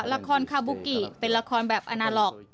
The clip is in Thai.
ละครคาบูกิเป็นละครแบบอาณาล็อก